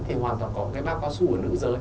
thì hoàn toàn có cái bác cao su ở nữ giới